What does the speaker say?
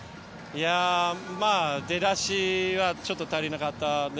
出だしちょっと足りなかった。